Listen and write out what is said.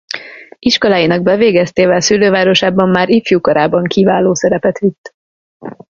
Iskoláinak bevégeztével szülővárosában már ifjúkorában kiváló szerepet vitt.